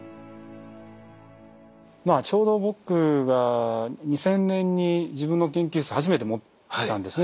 ちょうど僕が２０００年に自分の研究室初めて持ったんですね